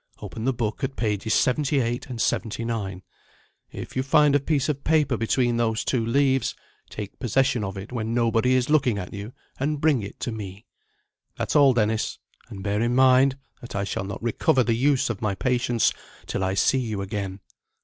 Open the book at pages seventy eight and seventy nine. If you find a piece of paper between those two leaves, take possession of it when nobody is looking at you, and bring it to me. That's all, Dennis. And bear in mind that I shall not recover the use of my patience till I see you again."